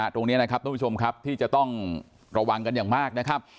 ตรงนี้นะครับทุกผู้ชมครับที่จะต้องระวังกันอย่างมากนะครับ